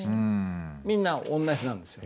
みんな同じなんですよ。